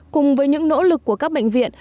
cùng với những nỗ lực của các bệnh viện